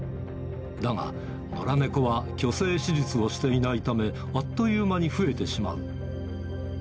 だが、野良猫は去勢手術をしていないため、あっという間に増えてしまう。